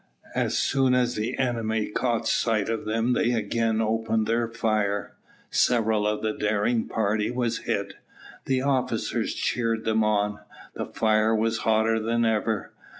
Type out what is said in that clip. As soon as the enemy caught sight of them they again opened their fire. Several of the daring party were hit. The officers cheered them on. The fire was hotter than ever.